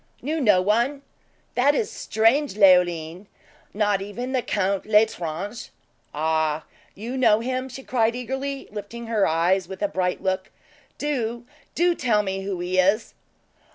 "Knew no one that is strange, Leoline! Not even the Count L'Estrange?" "Ah! you know him?" she cried eagerly, lifting her eyes with a bright look; "do do tell me who he is?"